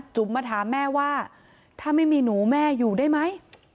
มาถามแม่ว่าถ้าไม่มีหนูแม่อยู่ได้ไหม